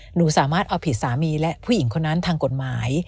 หนูสามารถเอาผิดสามีและผู้หญิงคนนั้นทางกฎหมาย